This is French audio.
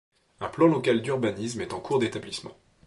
Un plan local d'urbanisme est en cours d'établissement.